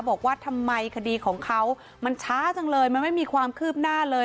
บอกว่าทำไมคดีของเขามันช้าจังเลยมันไม่มีความคืบหน้าเลย